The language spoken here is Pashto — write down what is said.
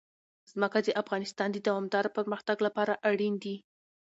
ځمکه د افغانستان د دوامداره پرمختګ لپاره اړین دي.